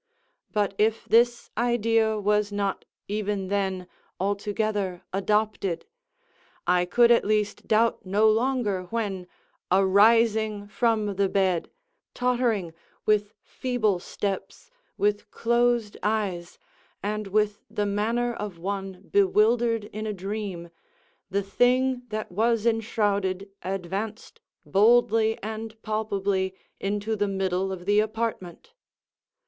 But if this idea was not, even then, altogether adopted, I could at least doubt no longer, when, arising from the bed, tottering, with feeble steps, with closed eyes, and with the manner of one bewildered in a dream, the thing that was enshrouded advanced boldly and palpably into the middle of the apartment.